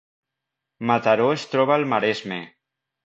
Mataró es troba al Maresme